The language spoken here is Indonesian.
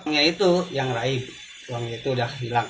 uangnya itu yang lain uangnya itu udah hilang